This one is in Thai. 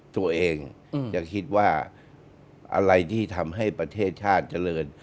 ตัวเองจะคิดว่าอะไรที่ทำให้ประเทศชาติเจริญ